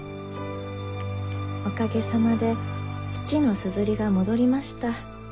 おかげさまで父の硯が戻りました。